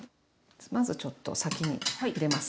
まずちょっと先に入れますね。